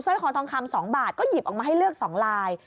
คอทองคำ๒บาทก็หยิบออกมาให้เลือก๒ลาย